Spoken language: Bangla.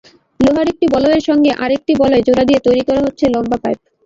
লোহার একটি বলয়ের সঙ্গে আরেকটি বলয় জোড়া দিয়ে তৈরি করা হচ্ছে লম্বা পাইপ।